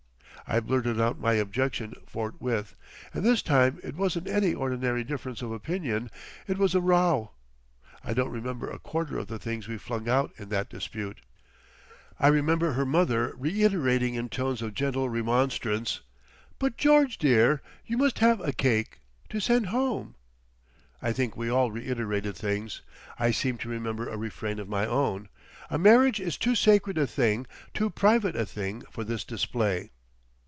I blurted out my objection forthwith, and this time it wasn't any ordinary difference of opinion; it was a "row." I don't remember a quarter of the things we flung out in that dispute. I remember her mother reiterating in tones of gentle remonstrance: "But, George dear, you must have a cake—to send home." I think we all reiterated things. I seem to remember a refrain of my own: "A marriage is too sacred a thing, too private a thing, for this display.